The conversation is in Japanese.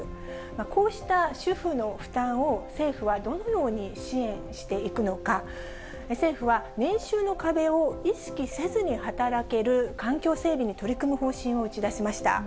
こうした主婦の負担を政府はどのように支援していくのか、政府は、年収の壁を意識せずに働ける環境整備に取り組む方針を打ち出しました。